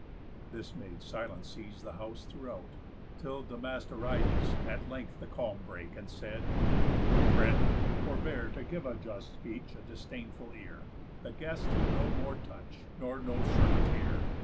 This made silence seize The house throughout; till Damastorides At length the calm brake, and said: "Friend, forbear To give a just speech a disdainful ear; The guest no more touch, nor no servant here.